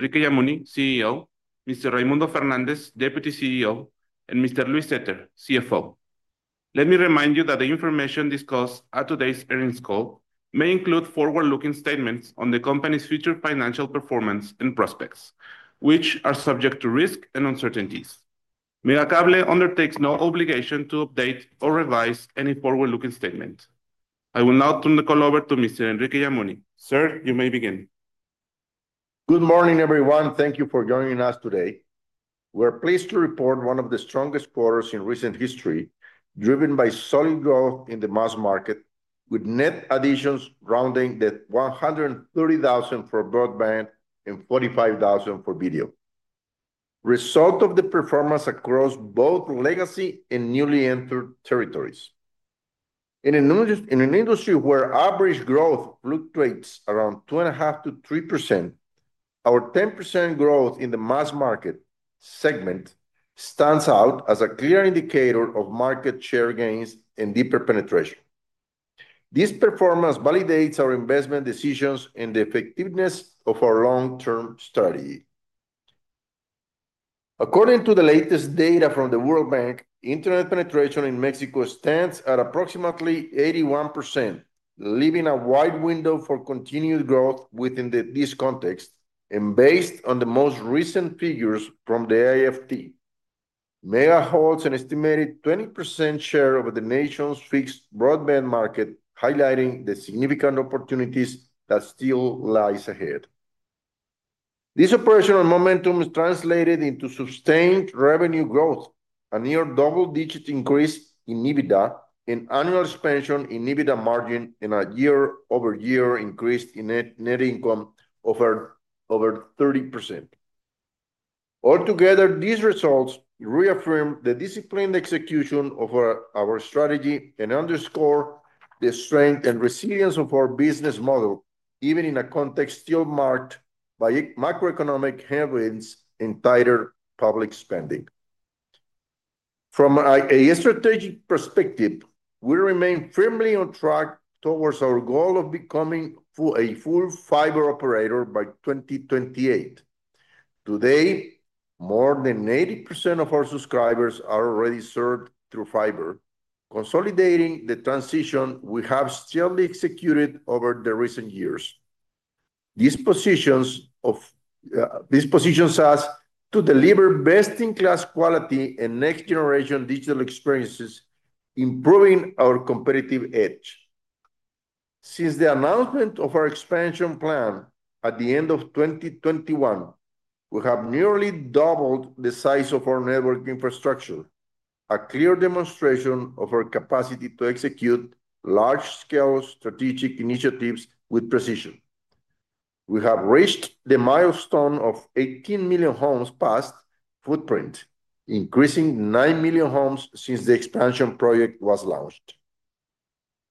Enrique Lammuni, CEO Mr. Raimundo Fernandez, Deputy CEO and Mr. Luis Zetter, CFO. Let me remind you that the information discussed at today's earnings call may include forward looking statements on the company's future financial performance and prospects, which are subject to risks and uncertainties. MiraCable undertakes no obligation to update or revise any forward looking statement. I I will now turn the call over to Mr. Enrique Gammoni. Sir, you may begin. Good morning, everyone. Thank you for joining us today. We're pleased to report one of the strongest quarters in recent history, driven by solid growth in the mass market with net additions rounding that $130,000 for broadband and $45,000 for video, result of the performance across both legacy and newly entered territories. In an industry where average growth fluctuates around 2.5% to 3%, our 10 growth in the mass market segment stands out as a clear indicator of market share gains and deeper penetration. This performance validates our investment decisions and the effectiveness of our long term strategy. According to the latest data from the World Bank, Internet penetration in Mexico stands at approximately 81% leaving a wide window for continued growth within this context and based on the most recent figures from the AFT. MEGA holds an estimated 20% share over the nation's fixed broadband market, highlighting the significant opportunities that still lies ahead. This operational momentum translated into sustained revenue growth, a near double digit increase in EBITDA and annual expansion in EBITDA margin in a year over year increase in net income over 30%. Altogether, these results reaffirm the disciplined execution of our strategy and underscore the strength and resilience of our business model even in a context still marked by macroeconomic headwinds in tighter public spending. From a strategic perspective, we remain firmly on track towards our goal of becoming a full fiber operator by 2028. Today, more than 80% of our subscribers are already served through fiber, consolidating the transition we have still executed over the recent years. This positions us to deliver best in class quality and next generation digital experiences, improving our competitive edge. Since the announcement of our expansion plan at the end of twenty twenty one, we have nearly doubled the size of our network infrastructure, a clear demonstration of our capacity to execute large scale strategic initiatives with precision. We have reached the milestone of 18,000,000 homes passed footprint, increasing 9,000,000 homes since the expansion project was launched.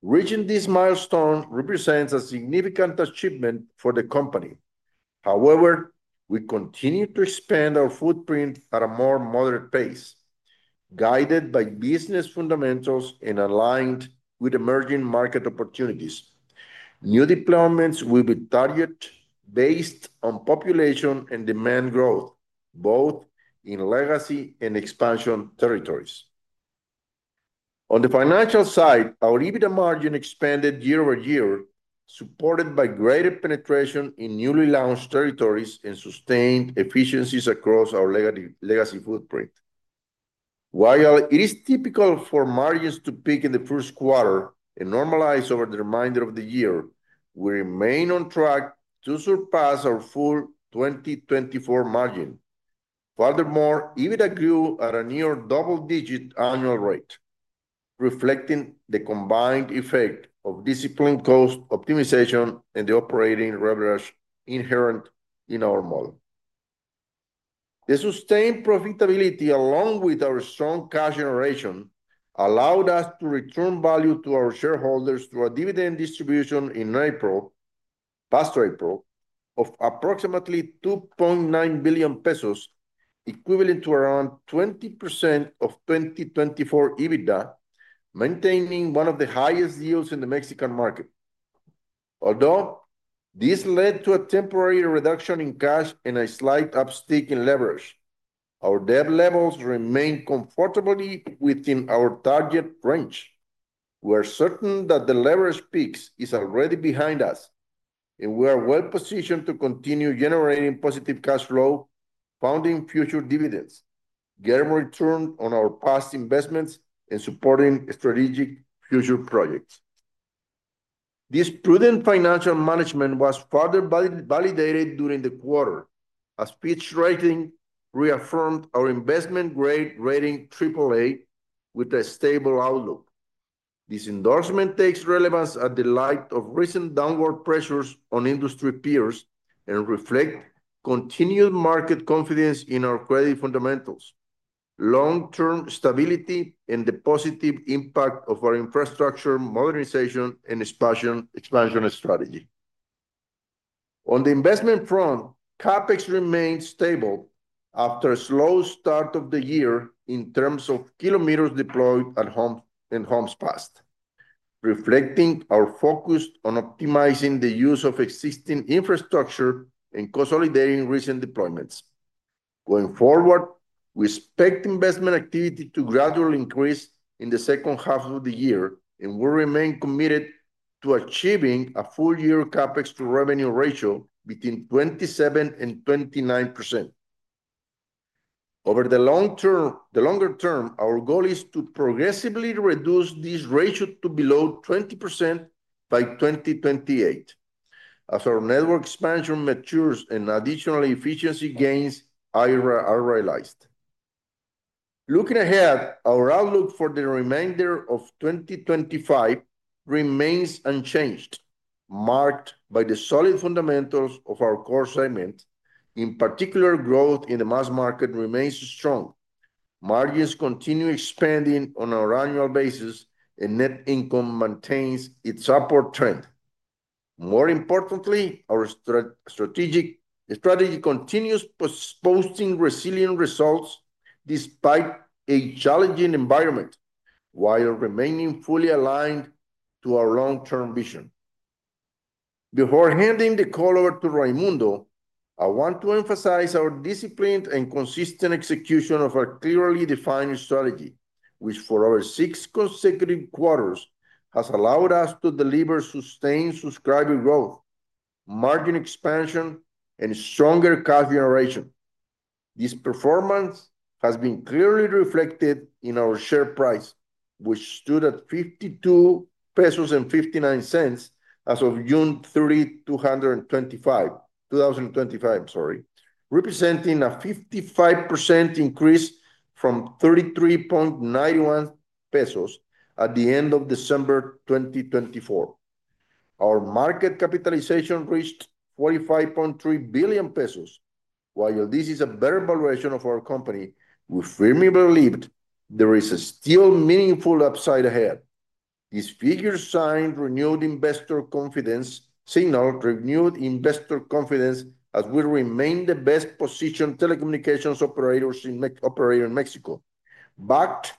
Reaching this milestone represents a significant achievement for the company. However, we continue to expand our footprint at a more moderate pace, guided by business fundamentals and aligned with emerging market opportunities. New deployments will be target based on population and demand growth both in legacy and expansion territories. On the financial side, our EBITDA margin expanded year over year supported by greater penetration in newly launched territories and sustained efficiencies across our legacy footprint. While it is typical for margins to peak in the first quarter and normalize over the remainder of the year, we remain on track to surpass our full 2024 margin. Furthermore, EBITDA grew at a near double digit annual rate, reflecting the combined effect of disciplined cost optimization and the operating leverage inherent in our model. The sustained profitability along with our strong cash generation allowed us to return value to our shareholders through a dividend distribution in April of approximately 2,900,000,000.0 equivalent to around 20% of 2024 EBITDA maintaining one of the highest yields in the Mexican market. Although this led to a temporary reduction in cash and a slight upstick in leverage, our debt levels remain comfortably within our target range. We're certain that the leverage peaks is already behind us and we are well positioned to continue generating positive cash flow, pounding future dividends, getting return on our past investments and supporting strategic future projects. This prudent financial management was further validated during the quarter as Pete's writing reaffirmed our investment grade rating AAA with a stable outlook. This endorsement takes relevance at the light of recent downward pressures on industry peers and reflect continued market confidence in our credit fundamentals, long term stability and the positive impact of our infrastructure modernization and expansion strategy. On the investment front, CapEx remained stable after a slow start of the year in terms of kilometers deployed at homes and homes passed, reflecting our focus on optimizing the use of existing infrastructure and consolidating recent deployments. Going forward, we expect investment activity to gradually increase in the second half of the year and we remain committed to achieving a full year CapEx to revenue ratio between 2729%. Over the long term the longer term, our goal is to progressively reduce this ratio to below 20% by 2028, as our network expansion matures and additional efficiency gains are realized. Looking ahead, our outlook for the remainder of 2025 remains unchanged marked by the solid fundamentals of our core segment in particular growth in the mass market remains strong. Margins continue expanding on our annual basis and net income maintains its upward trend. More importantly, our strategic strategy continues posting resilient results despite a challenging environment while remaining fully aligned to our long term vision. Before handing the call over to Raimundo, I want to emphasize our disciplined and consistent execution of our clearly defined strategy, which for our six consecutive quarters has allowed us to deliver sustained subscriber growth, margin expansion and stronger cash generation. This performance has been clearly reflected in our share price, which stood at 52.59 pesos as of 06/30/2025, representing a 55% increase from 33.91 pesos at the December. Our market capitalization reached 45,300,000,000.0. While this is a better valuation of our company, we firmly believed there is a still meaningful upside ahead. This figure sign renewed investor confidence signal renewed investor confidence as we remain the best positioned telecommunications operator in Mexico, backed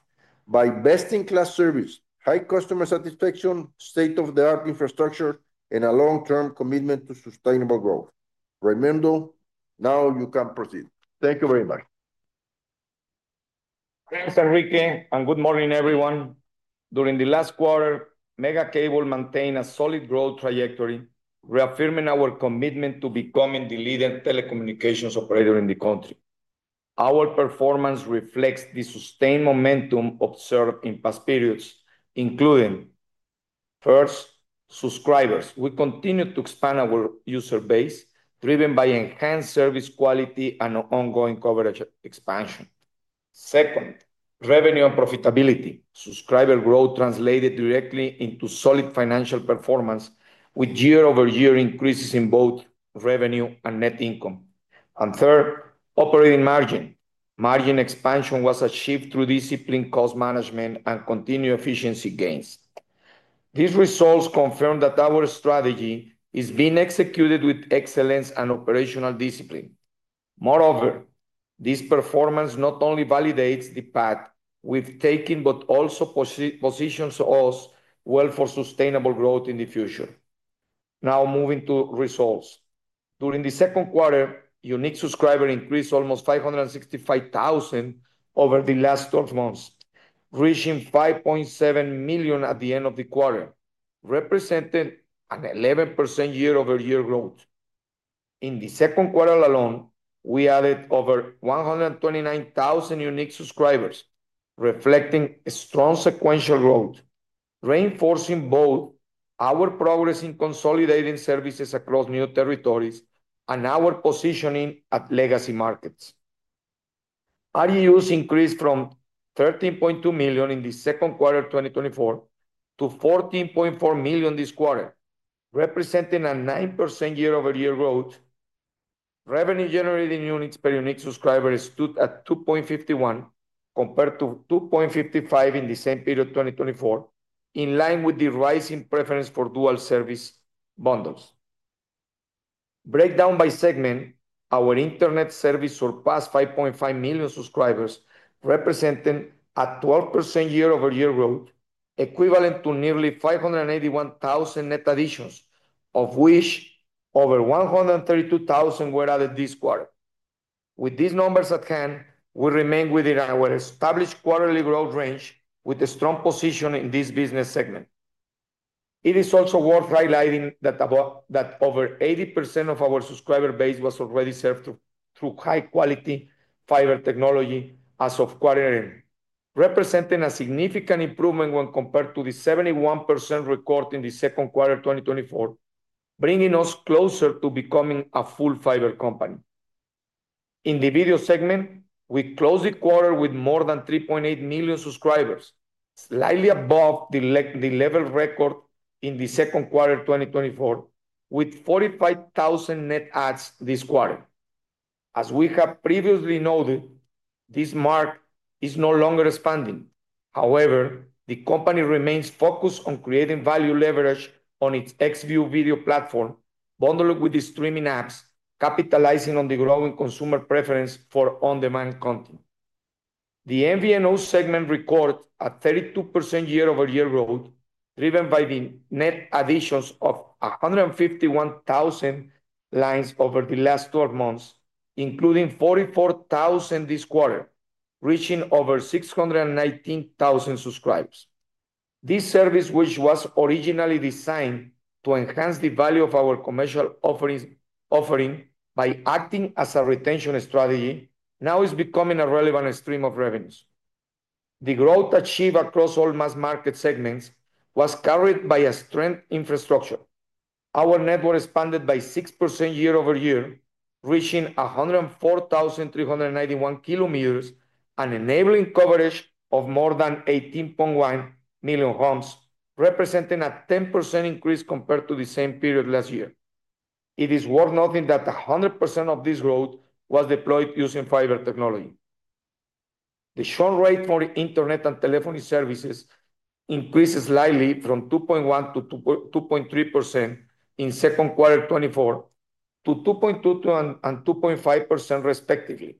by best in class service, high customer satisfaction, state of the art infrastructure and a long term commitment to sustainable growth. Raimundo, now you can proceed. Thank you very much. Thanks, Enrique, and good morning, everyone. During the last quarter, Mega Cable maintained a solid growth trajectory, reaffirming our commitment to becoming the leading telecommunications operator in the country. Our performance reflects the sustained momentum observed in past periods, including: first, subscribers. We continue to expand our user base, driven by enhanced service quality and ongoing coverage expansion second, revenue and profitability. Subscriber growth translated directly into solid financial performance with year over year increases in both revenue and net income. And third, operating margin. Margin expansion was achieved through disciplined cost management and continued efficiency gains. These results confirm that our strategy is being executed with excellence and operational discipline. Moreover, this performance not only validates the path we've taken, but also positions us well for sustainable growth in the future. Now moving to results. During the second quarter, unique subscriber increased almost 565,000 over the last twelve months, reaching 5,700,000 at the end of the quarter, representing an 11% year over year growth. In the second quarter alone, we added over 129,000 unique subscribers, reflecting a strong sequential growth, reinforcing both our progress in consolidating services across new territories and our positioning at legacy markets. REUs increased from $13,200,000 in the second quarter of twenty twenty four to fourteen point four million dollars this quarter, representing a 9% year over year growth. Revenue generating units per unique subscriber stood at 2.51 compared to 2.55 in the same period of 2024 in line with the rising preference for dual service bundles. Breakdown by segment, our Internet service surpassed 5,500,000 subscribers, representing a 12% year over year growth, equivalent to nearly 581,000 net additions, of which over 132,000 were added this quarter. With these numbers at hand, we remain within our established quarterly growth range with a strong position in this business segment. It is also worth highlighting that over 80% of our subscriber base was already served through high quality fiber technology as of quarter end, representing a significant improvement when compared to the 71% record in the second quarter twenty twenty four, bringing us closer to becoming a full fiber company. In the Video segment, we closed the quarter with more than 3,800,000 subscribers, slightly above the level record in the 2024 with 45,000 net adds this quarter. As we have previously noted, this mark is no longer expanding. However, the company remains focused on creating value leverage on its XView video platform bundled with the streaming apps capitalizing on the growing consumer preference for on demand content. The MVNO segment record a 32% year over year growth driven by the net additions of 151,000 lines over the last twelve months, including 44,000 this quarter reaching over 619,000 subscribers. This service which was originally designed to enhance the value of our commercial offering by acting as a retention strategy now is becoming a relevant stream of revenues. The growth achieved across all mass market segments was carried by a strength infrastructure. Our network expanded by 6% year over year reaching 104,391 kilometers and enabling coverage of more than 18,100,000 homes representing a 10% increase compared to the same period last year. It is worth noting that 100% of this growth was deployed using fiber technology. The churn rate for the Internet and telephony services increased slightly from 2.1% to 2.3% in second quarter twenty twenty four to 2.22.5% respectively.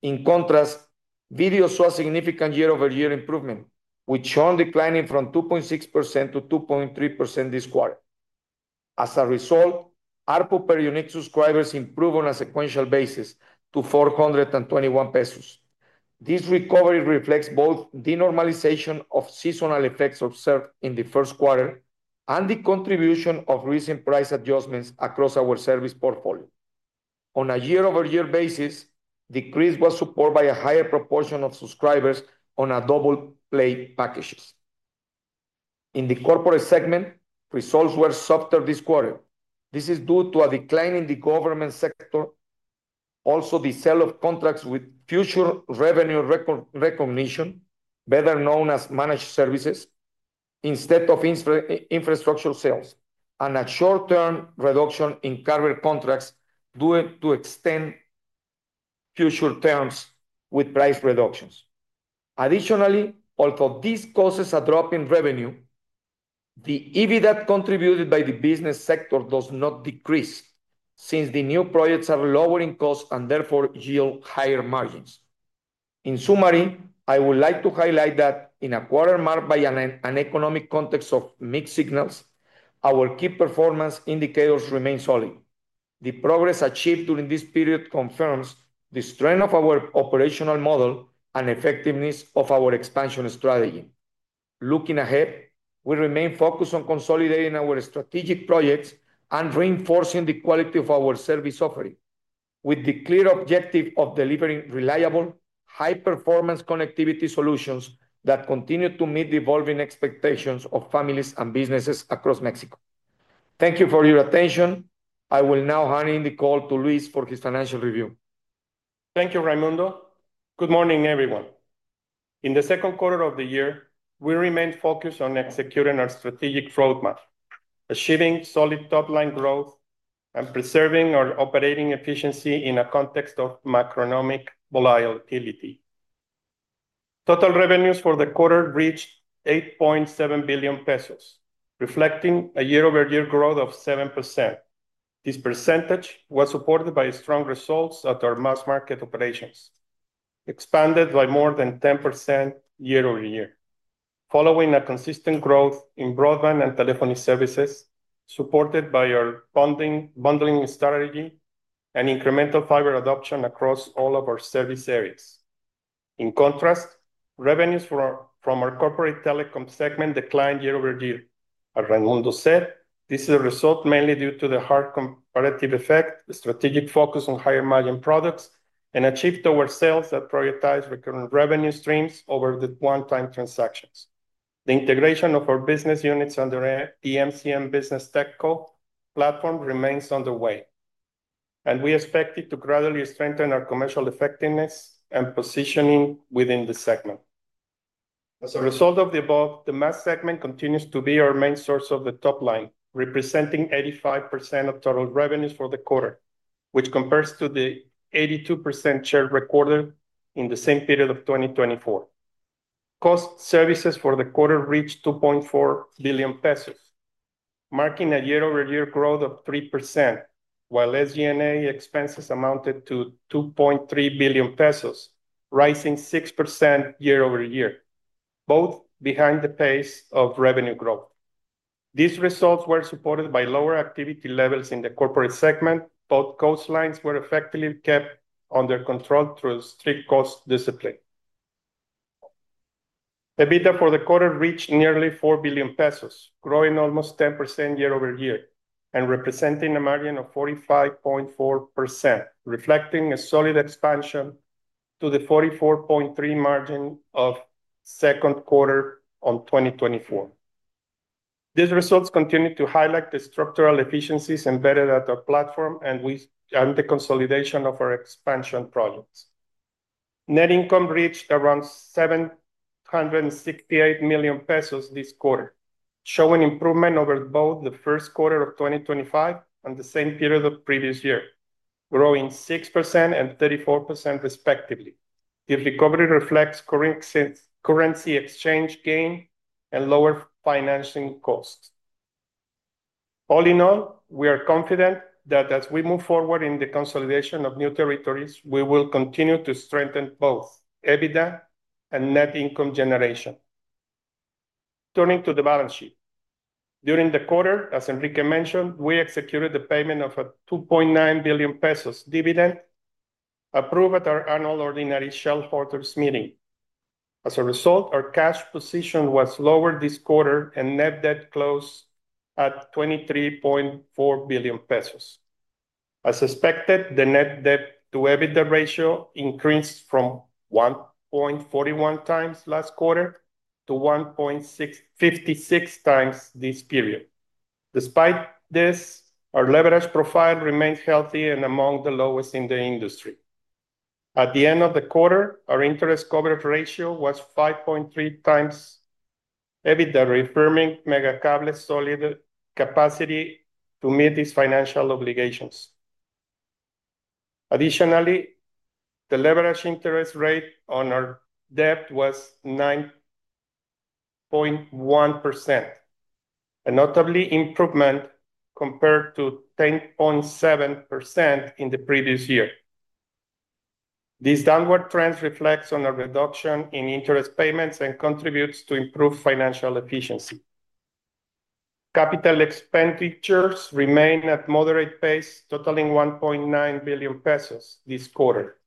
In contrast, video saw significant year over year improvement with churn declining from 2.6% to 2.3% this quarter. As a result, ARPU per unique subscribers improved on a sequential basis to 04/21. This recovery reflects both the normalization of seasonal effects observed in the first quarter and the contribution of recent price adjustments across our service portfolio. On a year over year basis, decrease was supported by a higher proportion of subscribers on a double play packages. In the Corporate segment, results were softer this quarter. This is due to a decline in the government sector, also the sale of contracts with future revenue recognition, better known as managed services, instead of infrastructure sales and a short term reduction in carrier contracts due to extend future terms with price reductions. Additionally, although this causes a drop in revenue, the EBITDAC contributed by the business sector does not decrease since the new projects are lowering costs and therefore yield higher margins. In summary, I would like to highlight that in a quarter marked by an economic context of mixed signals, our key performance indicators remain solid. The progress achieved during this period confirms the strength of our operational model and effectiveness of our expansion strategy. Looking ahead, we remain focused on consolidating our strategic projects and reinforcing the quality of our service offering with the clear objective of delivering reliable, high performance connectivity solutions that continue to meet the evolving expectations of families and businesses across Mexico. Thank you for your attention. I will now hand in the call to Luis for his financial review. Thank you, Raimundo. Good morning, everyone. In the second quarter of the year, we remain focused on executing our strategic road map, achieving solid top line growth and preserving our operating efficiency in a context of macroeconomic volatility. Total revenues for the quarter reached billion, reflecting a year over year growth of 7%. This percentage was supported by strong results at our mass market operations, expanded by more than 10% year over year, following a consistent growth in broadband and telephony services supported by our bundling strategy and incremental fiber adoption across all of our service areas. In contrast, revenues from our Corporate Telecom segment declined year over year. As Raimundo said, this is a result mainly due to the hard comparative effect, the strategic focus on higher margin products and achieved our sales that prioritized recurring revenue streams over the onetime transactions. The integration of our business units under the EMCM Business Tech Co. Platform remains underway, and we expect it to gradually strengthen our commercial effectiveness and positioning within the segment. As a result of the above, the mass segment continues to be our main source of the top line, representing 85 of total revenues for the quarter, which compares to the 82% share recorded in the same period of 2024. Cost services for the quarter reached 2,400,000,000.0 pesos, marking a year over year growth of 3%, while SG and A expenses amounted to 2,300,000,000.0, rising 6% year over year, both behind the pace of revenue growth. These results were supported by lower activity levels in the corporate segment, both coastlines were effectively kept under control through strict cost discipline. EBITDA for the quarter reached nearly 4,000,000,000 pesos, growing almost 10% year over year and representing a margin of 45.4%, reflecting a solid expansion to the 44.3% margin of second quarter on 2024. These results continue to highlight the structural efficiencies embedded at our platform and the consolidation of our expansion projects. Net income reached around $768,000,000 this quarter, showing improvement over both the 2025 and the same period of previous year, growing 634%, respectively. The recovery reflects currency exchange gain and lower financing costs. All in all, we are confident that as we move forward in the consolidation of new territories, we will continue to strengthen both EBITDA and net income generation. Turning to the balance sheet. During the quarter, as Enrique mentioned, we executed the payment of a 2,900,000,000.0 dividend approved at our annual ordinary shareholders' meeting. As a result, our cash position was lower this quarter and net debt closed at 23,400,000,000.0 pesos. As expected, the net debt to EBITDA ratio increased from 1.41 times last quarter to 1.656 times this period. Despite this, our leverage profile remains healthy and among the lowest in the industry. At the end of the quarter, our interest coverage ratio was 5.3x EBITDA, reaffirming Megacablet's solid capacity to meet these financial obligations. Additionally, the leverage interest rate on our debt was 9.1%, a notably improvement compared to 10.7% in the previous year. These downward trends reflects on a reduction in interest payments and contributes to improved financial efficiency. Capital expenditures remained at moderate pace totaling COP1.9 billion this quarter.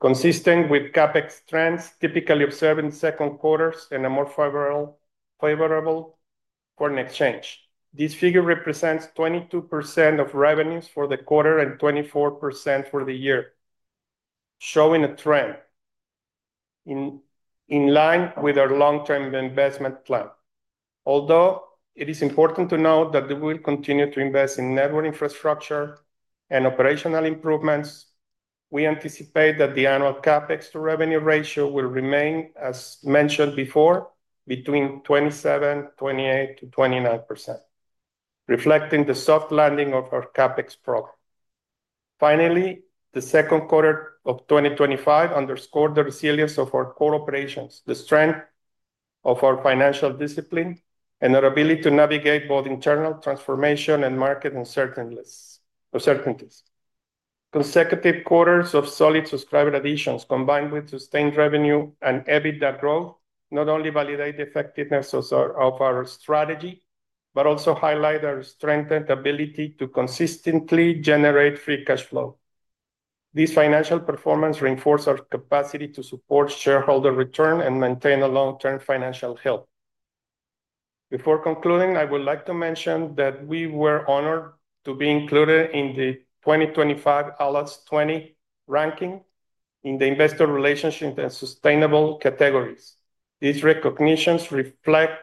Consistent with CapEx trends typically observed in second quarters and a more favorable foreign exchange. This figure represents 22% of revenues for the quarter and 24% for the year, showing a trend in line with our long term investment plan. Although it is important to note that we will continue to invest in network infrastructure and operational improvements, we anticipate that the annual CapEx to revenue ratio will remain as mentioned before between 27%, 28% to 29%, reflecting the soft landing of our CapEx program. Finally, the 2025 underscored the resilience of our core operations, the strength of our financial discipline and our ability to navigate both internal transformation and market uncertainties. Consecutive quarters of solid subscriber additions combined with sustained revenue and EBITDA growth not only validate the effectiveness of our strategy, but also highlight our strengthened ability to consistently generate free cash flow. This financial performance reinforce our capacity to support shareholder return and maintain a long term financial health. Before concluding, I would like to mention that we were honored to be included in the twenty twenty five Allots 20 ranking in the Investor Relationship and Sustainable categories. These recognitions reflect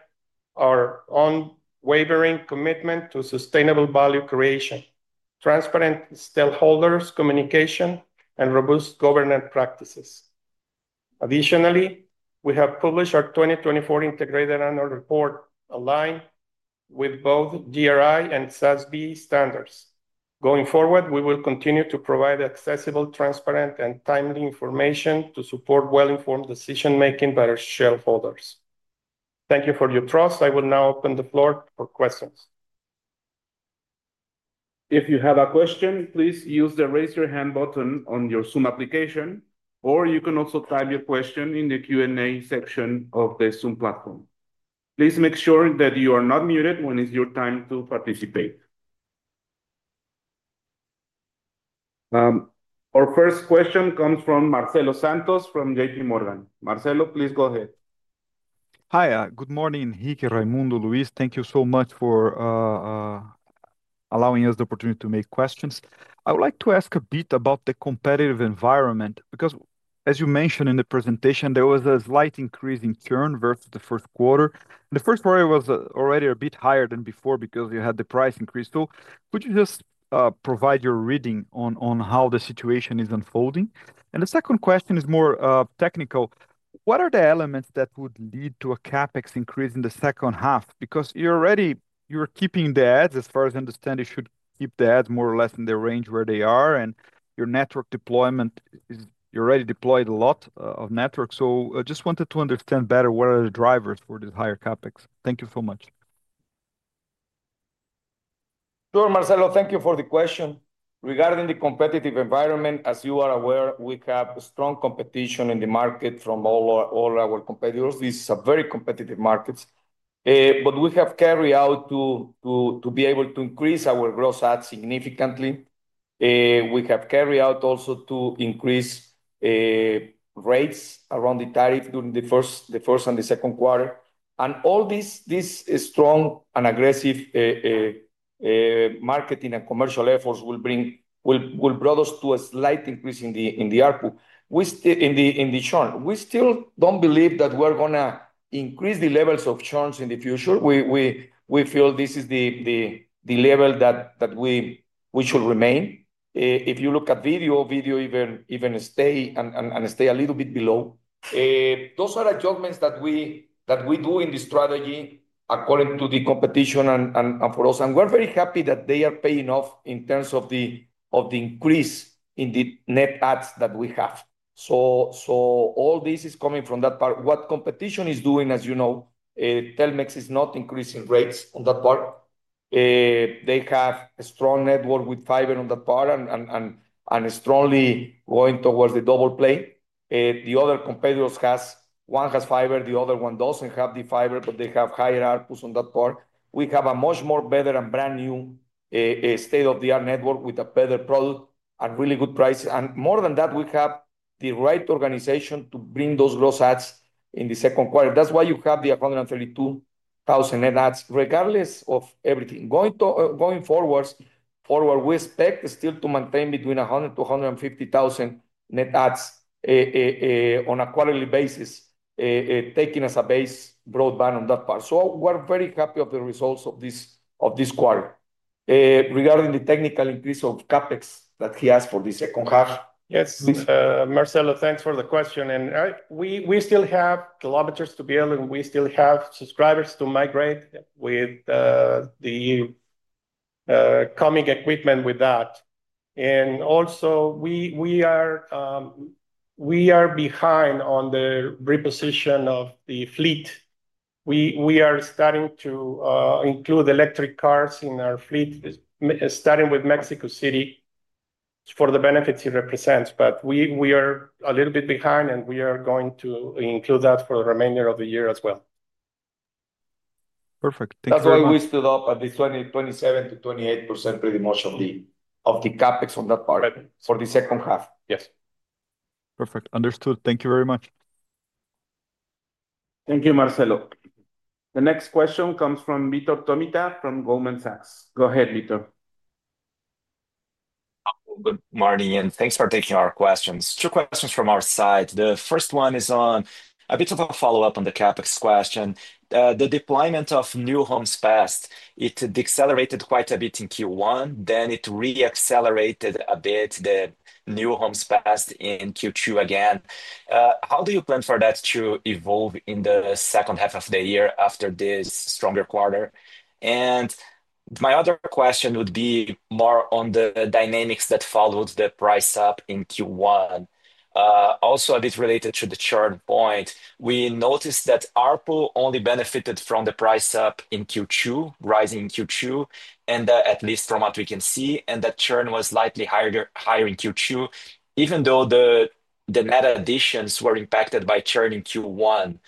our unwavering commitment to sustainable value creation, transparent stakeholders' communication and robust governance practices. Additionally, we have published our 2024 integrated annual report aligned with both GRI and SASB standards. Going forward, we will continue to provide accessible, transparent and timely information to support well informed decision making by our shareholders. Thank you for your trust. I will now open the floor for questions. Our first question comes from Marcelo Santos from JPMorgan. Marcelo, please go ahead. Hi, good morning, Rike, Raimundo, Luis. Thank you so much for allowing us the opportunity to make questions. I would like to ask a bit about the competitive environment because as you mentioned in the presentation, there was a slight increase in churn versus the first quarter. The first quarter was already a bit higher than before because you had the price increase. So could you just provide your reading on how the situation is unfolding? And the second question is more technical. What are the elements that would lead to a CapEx increase in the second half? Because you're already you're keeping the ads. As far as I understand, you should keep the ads more or less in the range where they are, and your network deployment is you already deployed a lot of network. So I just wanted to understand better what are the drivers for this higher CapEx. Thank you so much. Sure, Marcelo. Thank you for the question. Regarding the competitive environment, as you are aware, we have strong competition in the market from all our competitors. These are very competitive markets. But we have carried out to be able to increase our gross adds significantly. We have carried out also to increase rates around the tariff during the first and the second quarter. And all this strong and aggressive marketing and commercial efforts will bring will brought us to a slight increase in the ARPU. We still in the churn. We still don't believe that we're going to increase the levels of churns in the future. We feel this is the level that we should remain. If you look at video, video even stay stay a little bit below. Those are adjustments that we that we do in the strategy according to the competition and and and for us. And we're very happy that they are paying off in terms of the of the increase in the net adds that we have. So all this is coming from that part. What competition is doing, as you know, Telmex is not increasing rates on that part. They have a strong network with fiber on that part and strongly going towards the double play. The other competitors has one has fiber, the other one doesn't have the fiber, but they have higher ARPUs on that part. We have a much more better and brand new state of the art network with a better product and really good price. And more than that, we have the right organization to bring those gross adds in the second quarter. That's why you have the 132,000 net adds regardless of everything. Going forward, we expect still to maintain between 100,000 to 150,000 net adds on a quarterly basis, taking as a base broadband on that part. So we're very happy of the results of this quarter. Regarding the technical increase of CapEx that he asked for the second half. Yes. Marcelo, thanks for the question. And we still have kilometers to be able, and we still have subscribers to migrate with the coming equipment with that. And also, we are behind on the reposition of the fleet. We are starting to include electric cars in our fleet, starting with Mexico City for the benefits it represents. But we are a little bit behind, and we are going to include that for the remainder of the year as well. Perfect. That's why we stood up at this 27% to 28% pretty much of the CapEx on that part for the second half. Perfect. Understood. Thank you very much. Thank you, Marcelo. The next question comes from Mito Tomita from Goldman Sachs. Go ahead, Mito. Good morning, and thanks for taking our questions. Two questions from our side. The first one is on a bit of a follow-up on the CapEx question. The deployment of new homes passed, it decelerated quite a bit in q one, then it reaccelerated a bit the new homes passed in q two again. How do you plan for that to evolve in the second half of the year after this stronger quarter? And my other question would be more on the dynamics that followed the price up in q one. Also, a bit related to the churn point, we noticed that ARPU only benefited from the price up in q two, rising q two, and at least from what we can see, and that churn was slightly higher higher in q two even though the the net additions were impacted by churn in q one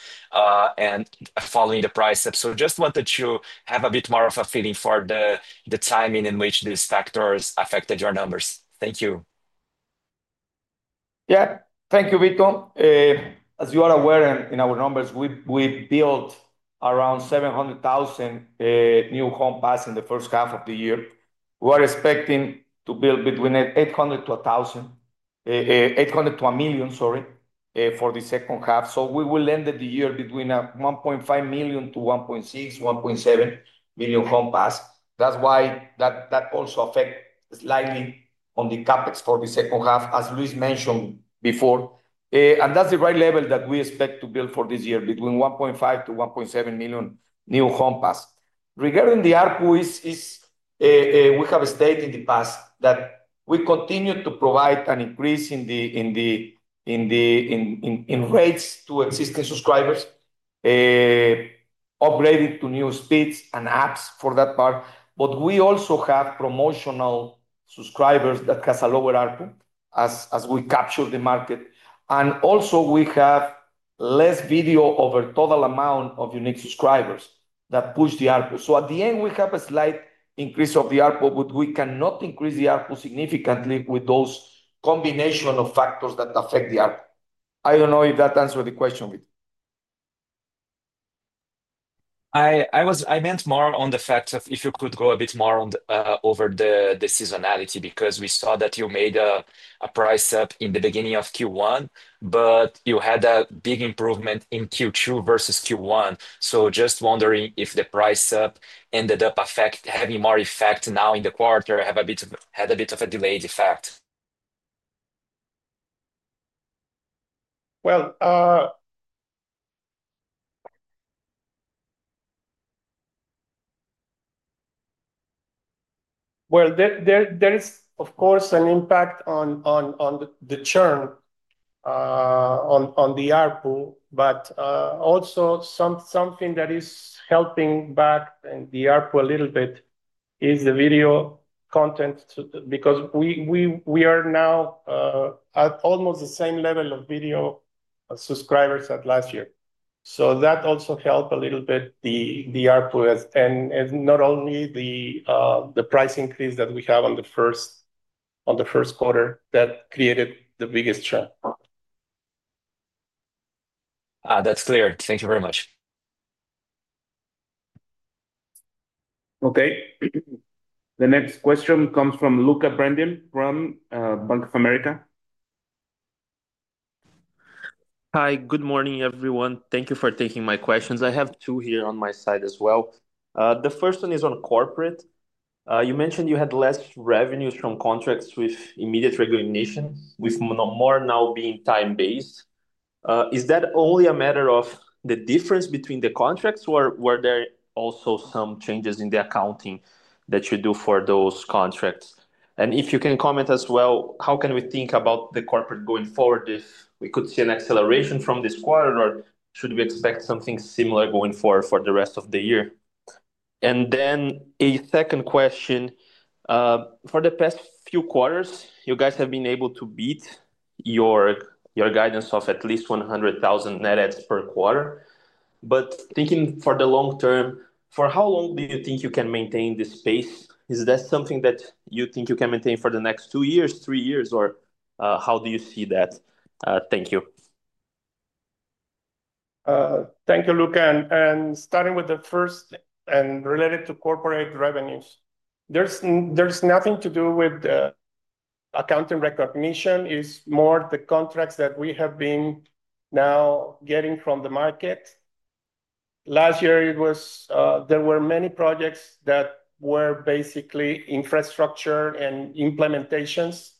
and following the price up. So just wanted to have a bit more of a feeling for the the timing in which these factors affected your numbers. Thank you. Yeah. Thank you, Vito. As you are aware in our numbers, we we built around 700,000 new home pass in the first half of the year. We're expecting to build between 800 to 1,800 to 1,000,000, sorry, for the second half. So we will end the year between $1,500,000 to $1,600,000 $1,700,000 home passed. That's why that also affect slightly on the CapEx for the second half, as Luis mentioned before. And that's the right level that we expect to build for this year between 1,500,000.0 to 1,700,000.0 new home pass. Regarding the ARPU is we have stated in the past that we continue to provide an increase in rates to existing subscribers, upgraded to new speeds and apps for that part. But we also have promotional subscribers that has a lower ARPU as as we capture the market. And, also, we have less video over total amount of unique subscribers that push the ARPU. So at the end, we have a slight increase of the ARPU, but we cannot increase the ARPU significantly with those combination of factors that affect the ARPU. I don't know if that answered the question. I I was I meant more on the fact of if you could go a bit more on the over the the seasonality because we saw that you made a a price up in the beginning of q one, but you had a big improvement in Q2 versus Q1. So just wondering if the price up ended up effect, having more effect now in the quarter, have a bit of a delayed effect. Well well, there there there is, of course, an impact on on on the the churn on on the ARPU, but also some something that is helping back the ARPU a little bit is the video content because we we we are now at almost the same level of video subscribers at last year. So that also helped a little bit the the ARPU as and and not only the the price increase that we have on the first on the first quarter that created the biggest churn. That's clear. Thank you very much. Okay. The next question comes from Luca Brendon from Bank of America. Hi. Good morning, everyone. Thank you for taking my questions. I have two here on my side as well. The first one is on corporate. You mentioned you had less revenues from contracts with immediate regulations with more now being time based. Is that only a matter of the difference between the contracts, or were there also some changes in the accounting that you do for those contracts? And if you can comment as well, how can we think about the corporate going forward if we could see an acceleration from this quarter? Or should we expect something similar going forward for the rest of the year? And then a second question. For the past few quarters, you guys have been able to beat your your guidance of at least 100,000 net adds per quarter. But thinking for the long term, for how long do you think you can maintain this space? Is that something that you think you can maintain for the next two years, three years, or how do you see that? Thank you. Thank you, Luca. And and starting with the first and related to corporate revenues. There's there's nothing to do with the accounting recognition. It's more the contracts that we have been now getting from the market. Last year, it was there were many projects that were basically infrastructure and implementations.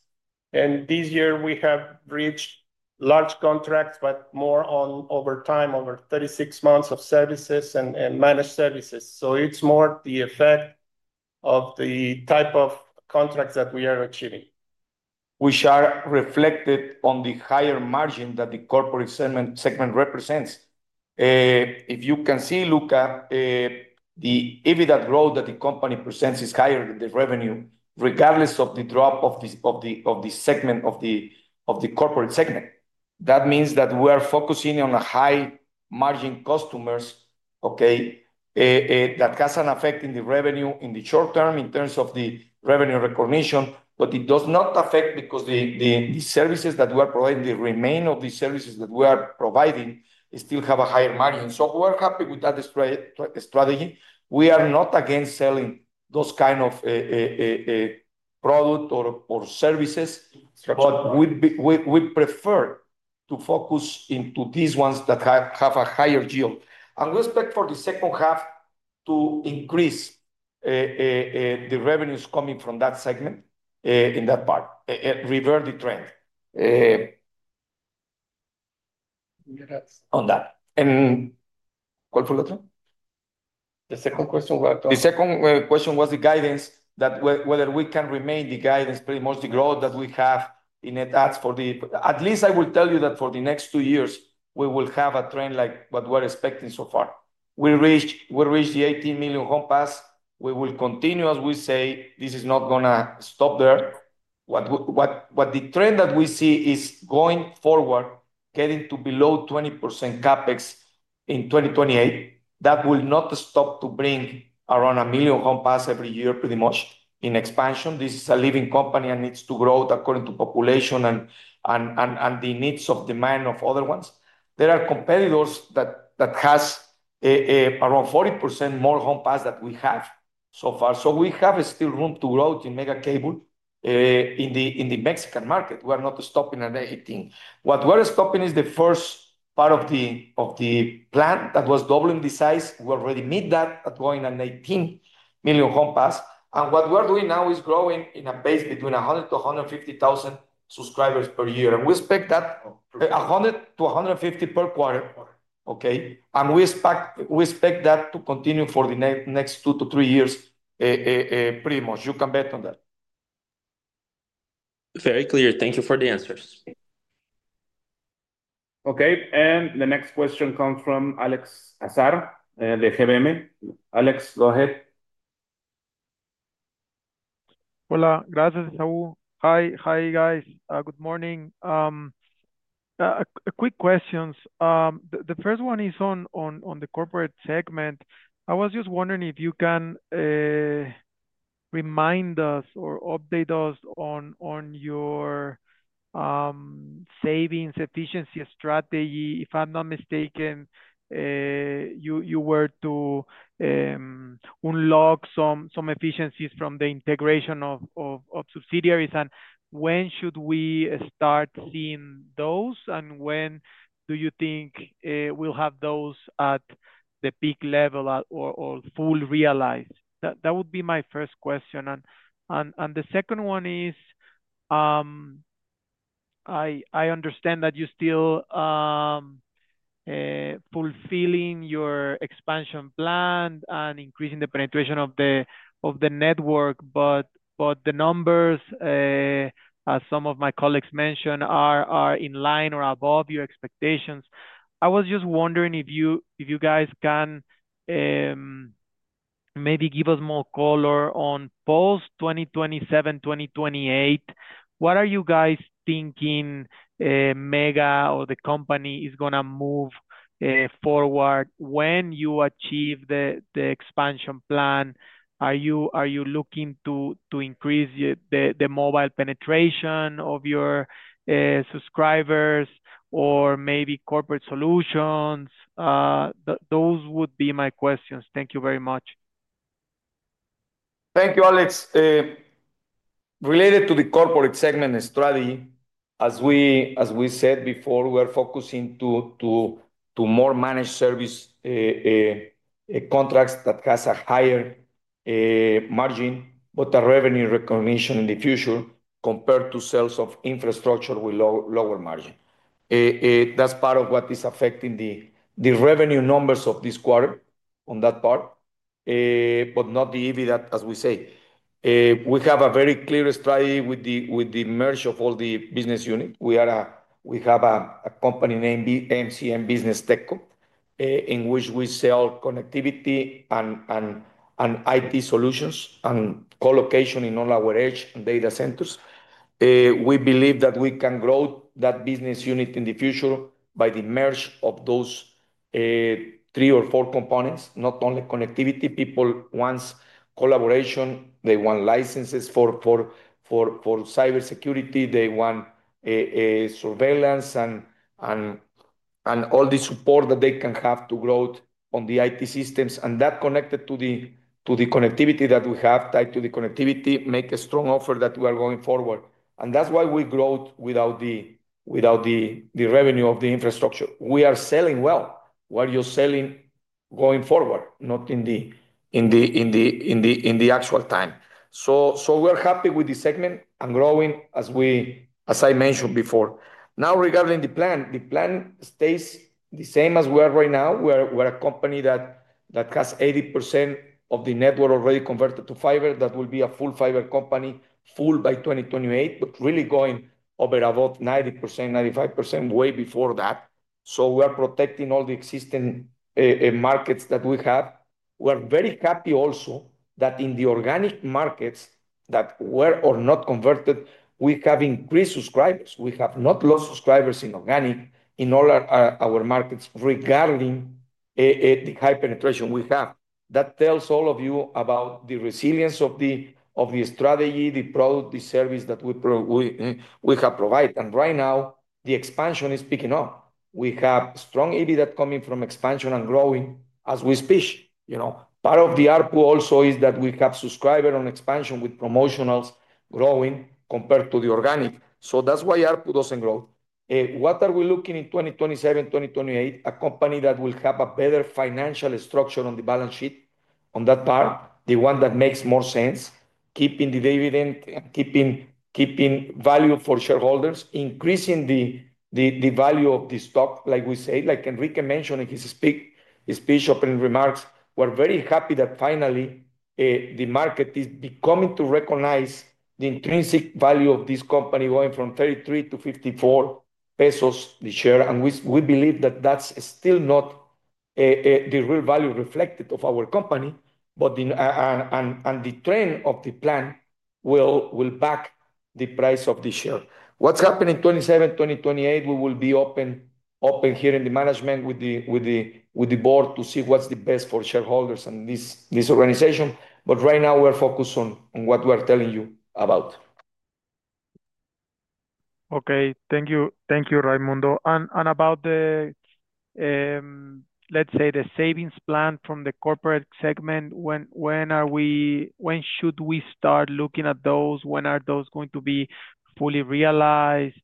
And this year, we have reached large contracts, but more on over time, over thirty six months of services and and managed services. So it's more the effect of the type of contracts that we are achieving. Which are reflected on the higher margin that the corporate segment represents. If you can see, Luca, the EBITDA growth that the company presents is higher than the revenue regardless of the drop of this segment of the corporate segment. That means that we are focusing on the high margin customers, okay, that has an effect in the revenue in the short term in terms of the revenue recognition, but it does not affect because the services that we are providing the remainder of the services that we are providing still have a higher margin. So we're happy with that strategy. We are not against selling those kind of product or services, but we'd prefer to focus into these ones that have a higher yield. And we expect for the second half to increase the revenues coming from that segment in that part, revert the trend on that. Call for Luton? The second question was guidance that whether we can remain the guidance pretty much the growth that we have in net adds for the at least I will tell you that for the next two years, we will have a trend like what we're expecting so far. We reached the 18,000,000 home pass. We will continue as we say, this is not going to stop there. What the trend that we see is going forward getting to below 20% CapEx in 2028, that will not stop to bring around 1,000,000 home pass every year pretty much in expansion. This is a living company and needs to grow according to population and the needs of demand of other ones. There are competitors that has around 40% more home pass that we have so far. So we have still room to grow in mega cable in the in the Mexican market. We are not stopping at anything. What we're stopping is the first part of the of the plan that was doubling the size. We already meet that at going on 18,000,000 home pass. And what we're doing now is growing in a base between a 100 to a 150,000 subscribers per year. And we expect that a 100 to a 150 per quarter. Okay? And we expect we expect that to continue for the next two to three years pretty much. You can bet on that. Very clear. Thank you for the answers. Okay. And the next question comes from Alex Azar, Deceveme. Alex, go ahead. Hi, guys. Good morning. Quick questions. The first one is on on on the corporate segment. I was just wondering if you can remind us or update us on on your savings efficiency strategy. If I'm not mistaken, you you were to unlock some some efficiencies from the integration of of of subsidiaries. And when should we start seeing those, and when do you think we'll have those at the peak level or or full realized? That that would be my first question. And and and the second one is, I I understand that you're still fulfilling your expansion plan and increasing the penetration of the of the network, but but the numbers, as some of my colleagues mentioned, are are in line or above your expectations. I was just wondering if you if you guys can maybe give us more color on post 2027, 2028. What are you guys thinking Mega or the company is gonna move forward when you achieve the the expansion plan? Are you are you looking to to increase the the mobile penetration of your subscribers or maybe corporate solutions? Those would be my questions. Thank you very much. Thank you, Alex. Related to the corporate segment strategy, as we said before, we're focusing to more managed service contracts that has a higher margin, but the revenue recognition in the future compared to sales of infrastructure with lower margin. That's part of what is affecting the revenue numbers of this quarter on that part, but not the EBITDA as we say. We have a very clear strategy with the with the merge of all the business unit. We are a we have a company named the MCM Business Tech Corp, in which we sell connectivity and and and IT solutions and colocation in all our edge data centers. We believe that we can grow that business unit in the future by the merge of those three or four components, not only connectivity people wants collaboration. They want licenses for for for for cybersecurity. They want a a surveillance and and and all the support that they can have to growth on the IT systems. And that connected to the to the connectivity that we have tied to the connectivity, make a strong offer that we are going forward. And that's why we grow without the revenue of the infrastructure. We are selling well, while you're selling going forward, not in the the in the actual time. So so we're happy with the segment and growing as we as I mentioned before. Now regarding the plan, the plan stays the same as we are right now. We're we're a company that that has 80% of the network already converted to fiber. That will be a full fiber company full by 2028, but really going over and above 90%, 95% way before that. So we are protecting all the existing markets that we have. We're very happy also that in the organic markets that were or not converted, we have increased subscribers. We have not lost subscribers in organic in all our markets regarding the high penetration we have. That tells all of you about the resilience of strategy, the product, the service that we have provided. And right now, the expansion is picking up. We have strong EBITDA coming from expansion and growing as we speak. Part of the ARPU also is that we have subscriber on expansion with promotionals growing compared to the organic. So that's why ARPU doesn't grow. What are we looking in 2027, 2028, a company that will have a better financial structure on the balance sheet on that part, the one that makes more sense, keeping the dividend, keeping value for shareholders, increasing value of the stock, like we say, like Enrique mentioned in his speech opening remarks, we're very happy that finally the market is becoming to recognize the intrinsic value of this company going from 33 to 54 this year. And we believe that that's still not the real value reflected of our company, but in and the trend of the plan will back the price of the share. What's happening twenty seven, twenty twenty eight, we will be open open here in the management with the with the with the board to see what's the best for shareholders in this this organization. But right now, we're focused on on what we are telling you about. Okay. Thank you. Thank you, Raimundo. And and about the, let's say, the savings plan from the corporate segment, when when are we when should we start looking at those? When are those going to be fully realized?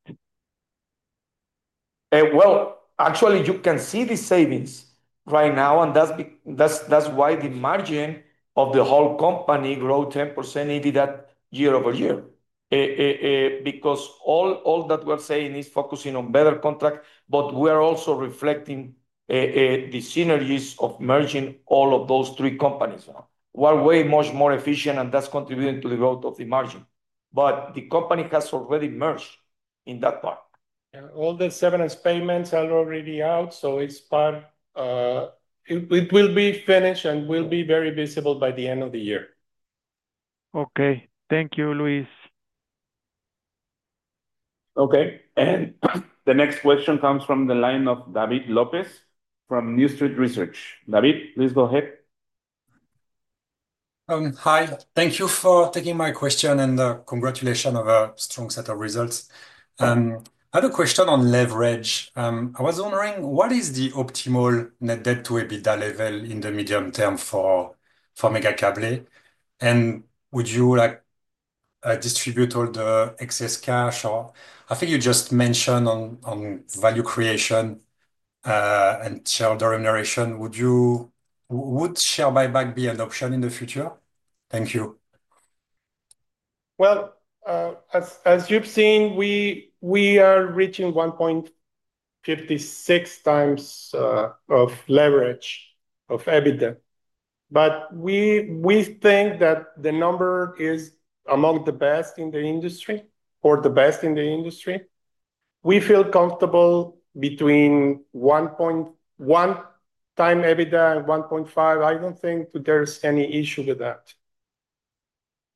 Well, actually, you can see the savings right now, and that's be that's that's why the margin of the whole company grow 10% EBITDA year over year because all all that we're saying is focusing on better contract, but we're also reflecting the synergies of merging all of those three companies. We're way much more efficient, and that's contributing to the growth of the margin. But the company has already merged in that part. And all the severance payments are already out, so it's part it will be finished and will be very visible by the end of the year. Okay. Thank you, Luis. Okay. And the next question comes from the line of David Lopez from New Street Research. David, please go ahead. Hi. Thank you for taking my question, and congratulation of a strong set of results. I had a question on leverage. I was wondering what is the optimal net debt to EBITDA level in the medium term for for Mega Cablet? And would you, like, distribute all the excess cash? Or I think you just mentioned on on value creation and share remuneration. Would you would share buyback be an option in the future? Thank you. Well, as you've seen, we are reaching 1.56 times of leverage of EBITDA. But we think that the number is among the best in the industry or the best in the industry. We feel comfortable between I don't think there's any issue with that.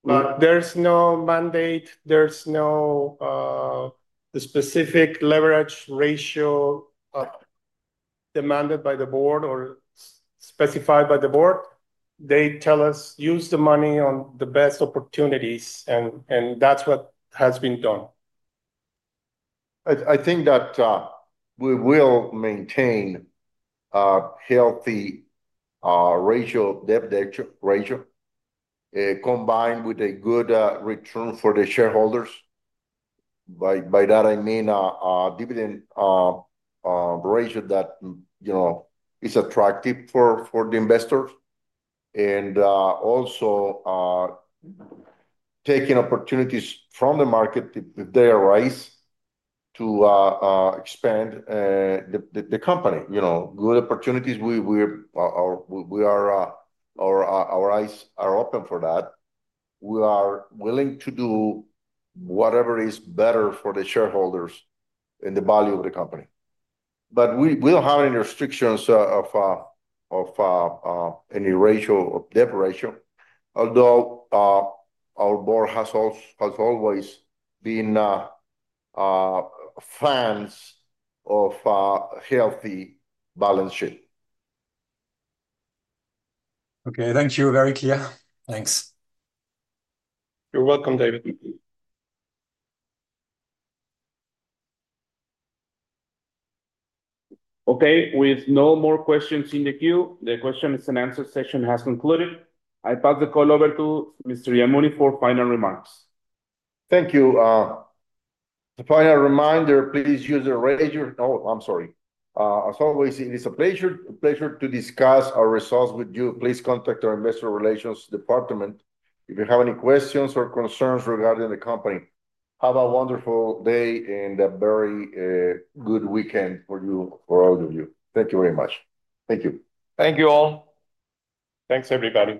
But there's no mandate. There's no specific leverage ratio demanded by the board or specified by the board. They tell us use the money on the best opportunities, and and that's what has been done. I I think that we will maintain a healthy ratio, debt ratio, combined with a good return for the shareholders. By that, I mean, dividend ratio that, you know, is attractive for for the investors and also taking opportunities from the market if they arise to expand the company. Good opportunities, are our eyes are open for that. We are willing to do whatever is better for the shareholders and the value of the company. But we don't have any restrictions of any ratio or debt ratio, although our board has always been fans of a healthy balance sheet. Okay. Thank you. Very clear. Thanks. You're welcome, David. Okay. With no more questions in the queue, the question and answer session has concluded. I pass the call over to Mr. Ioannoni for final remarks. Thank you. Final reminder, please use the I'm sorry. As always, it is a pleasure to discuss our results with you. Please contact our Investor Relations department if you have any questions or concerns regarding the company. Have a wonderful day and a very good weekend for you for all of you. Thank you very much. Thank you. Thank you all. Thanks, everybody.